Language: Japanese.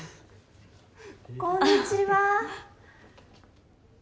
・こんにちは。